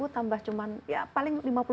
tambah cuma paling